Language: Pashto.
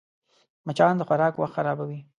مچان د خوراک وخت خرابوي